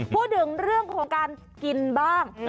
พูดถึงเรื่องของการกินบ้าง